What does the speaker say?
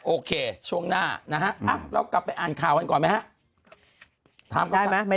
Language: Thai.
โอเคช่วงหน้านะฮะเรากลับไปอ่านข่าวกันก่อนไหมฮะ